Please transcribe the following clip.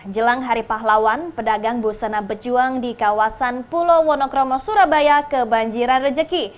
jelang hari pahlawan pedagang busana bejuang di kawasan pulau wonokromo surabaya kebanjiran rejeki